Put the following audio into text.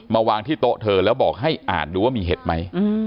มาวางที่โต๊ะเธอแล้วบอกให้อ่านดูว่ามีเห็ดไหม